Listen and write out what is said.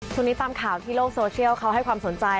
ตามข่าวที่โลกโซเชียลเขาให้ความสนใจ